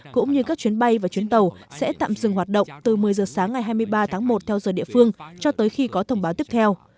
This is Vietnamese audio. cũng như các chuyến bay và chuyến tàu sẽ tạm dừng hoạt động từ một mươi giờ sáng ngày hai mươi ba tháng một theo giờ địa phương cho tới khi có thông báo tiếp theo